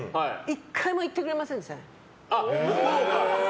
１回も行ってくれませんでしたね。